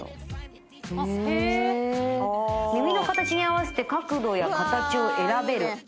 「耳の形に合わせて角度や形を選べる」